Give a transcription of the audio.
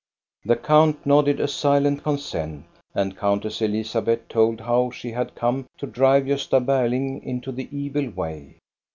The count nodded a silent consent, and Countess Elizabeth told how she had come to drive Gosta Ber ling into the evil way.